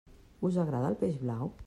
Us agrada el peix blau?